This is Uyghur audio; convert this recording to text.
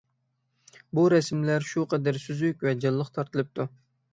بۇ رەسىملەر شۇ قەدەر سۈزۈك ۋە جانلىق تارتىلىپتۇ.